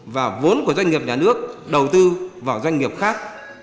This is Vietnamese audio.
và vốn của doanh nghiệp nhà nước đầu tư vào doanh nghiệp khác